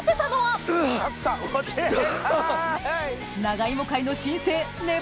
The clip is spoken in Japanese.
長芋界の新星ね